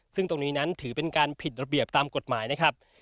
ซึ่งตรงนี้นั้นถือเป็นการผิดระเบียบตามกฎหมายนะครับ